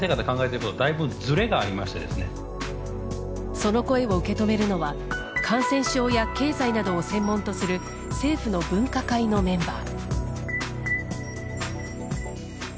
その声を受け止めるのは感染症や経済などを専門とする政府の分科会のメンバー。